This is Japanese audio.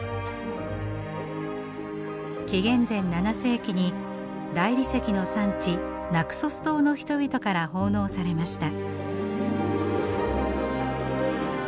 紀元前７世紀に大理石の産地ナクソス島の人々から奉納されました。